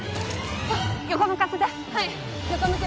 横向かせて！